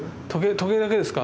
時計だけですか？